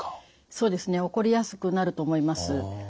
そうですね起こりやすくなると思います。